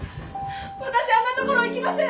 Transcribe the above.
私あんな所行きません！